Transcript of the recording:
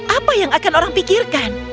apa yang akan orang pikirkan